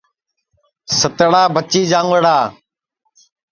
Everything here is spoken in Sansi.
ستڑا بچی جاؤنٚگڑا